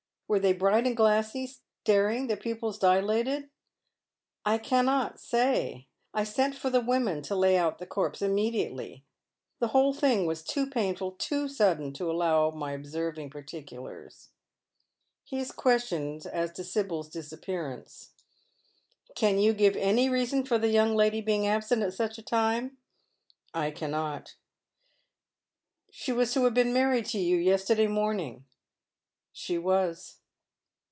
Were they bright and glassy — staring — the pupils dilat ed ?"" I cannot say. I sent for the women to lay out the corpse immediately. The whole thing was too painful, too sudden, to allow of my obsei ving particulars." He is questioned as to Sibyl's disappearance. " Can you give any reason for the young lady being absent at such a time ?"" I cannot." " She was to have been married to you yesterday morning ?"« She was."